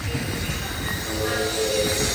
গোরা হৃদয়ে আঘাত পাইয়া কহিল, দেখুন, এ আমার নিজের কাজ।